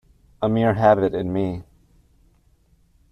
A mere habit in me.